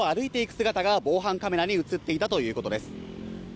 姿が防犯カメラに写っていたということです。